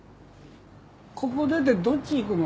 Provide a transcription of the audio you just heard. ここ出てどっち行くの？